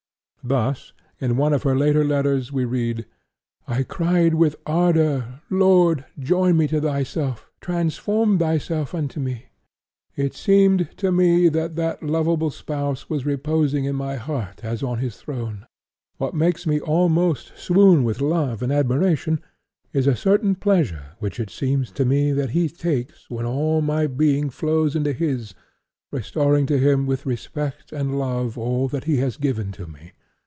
Thus, in one of her later letters we read: "I cried with ardor, 'Lord! join me to Thyself, transform Thyself into me!' It seemed to me that that lovable Spouse was reposing in my heart as on His throne. What makes me almost swoon with love and admiration is a certain pleasure which it seems to me that He takes when all my being flows into His, restoring to Him with respect and love all that He has given to me.